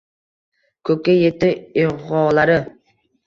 Koʼkka yetdi ivgʼolari